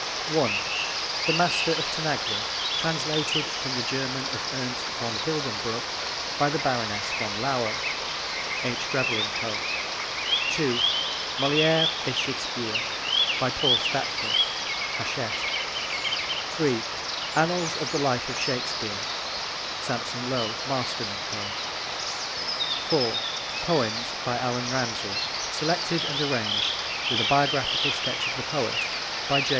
(1) The Master of Tanagra. Translated from the German of Ernst von Wildenbruch by the Baroness von Lauer. (H. Grevel and Co.) (2) Moliere et Shakespeare. By Paul Stapfer. (Hachette.) (3) Annals of the Life of Shakespeare. (Sampson Low, Marston and Co.) (4) Poems by Allan Ramsay. Selected and arranged, with a Biographical Sketch of the Poet, by J.